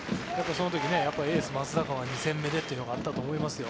その時、エース松坂は２戦目でというのがあったと思いますよ。